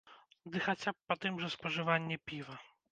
Ды хаця б па тым жа спажыванні піва.